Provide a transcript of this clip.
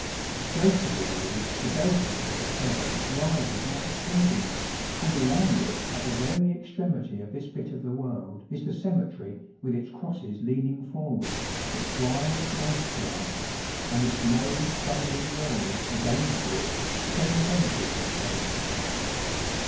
Close to the waves the belfry of. the church rises like a sentinel, and around it, at the very extremity of this bit of the world, is the cemetery with its crosses leaning forward, its wild waste grass, and its low, crumbling wall, against which stone benches are placed.